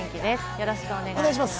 よろしくお願いします。